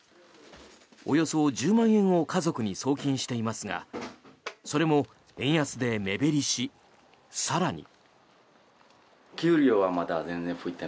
およそ１０万円を家族に送金していますがそれも円安で目減りし更に。